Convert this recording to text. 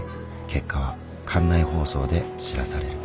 結果は館内放送で知らされる。